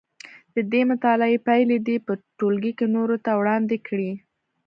د دې مطالعې پایلې دې په ټولګي کې نورو ته وړاندې کړي.